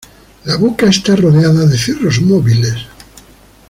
La boca está rodeada de cirros móviles.